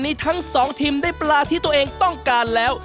กินได้ปลาที่ตัวเองต้องการแล้ว